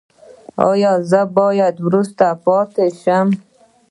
ایا زه باید وروسته پاتې شم؟